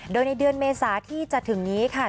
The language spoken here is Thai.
โดยในเดือนเมษาที่จะถึงนี้ค่ะ